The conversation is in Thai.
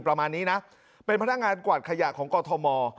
ประมาณนี้นะเป็นพนักงานกวาดขยะของกอทม